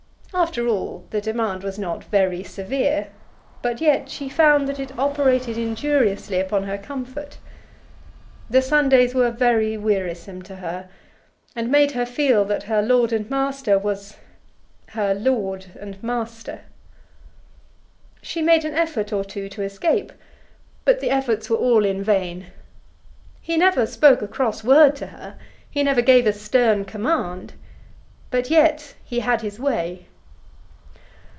After all, the demand was not very severe, but yet she found that it operated injuriously upon her comfort. The Sundays were very wearisome to her, and made her feel that her lord and master was her lord and master. She made an effort or two to escape, but the efforts were all in vain. He never spoke a cross word to her. He never gave a stern command. But yet he had his way.